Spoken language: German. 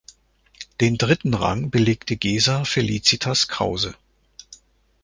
Den dritten Rang belegte Gesa Felicitas Krause.